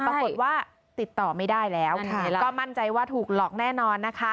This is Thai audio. ปรากฏว่าติดต่อไม่ได้แล้วก็มั่นใจว่าถูกหลอกแน่นอนนะคะ